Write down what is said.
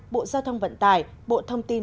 bộ giao thông vận tải bộ thông tin